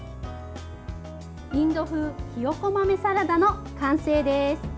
インド風ひよこ豆のサラダの完成です。